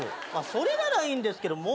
それならいいんですけども。